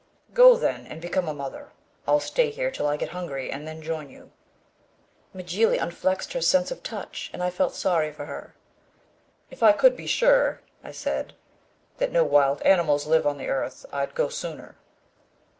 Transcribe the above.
"Go then, and become a mother. I'll stay here till I get hungry and then join you." Mjly unflexed her sense of touch and I felt sorry for her. "If I could be sure," I said, "that no wild animals live on the earth, I'd go sooner."